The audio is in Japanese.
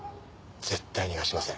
絶対逃がしません。